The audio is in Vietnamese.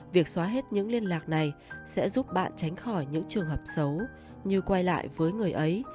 việc xóa hết những liên lạc này sẽ giúp bạn tránh khỏi những trường hợp xấu như quay lại với người ấy